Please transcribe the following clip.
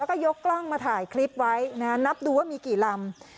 แล้วก็ยกกล้องมาถ่ายคลิปไว้นะนับดูว่ามีกี่ลำ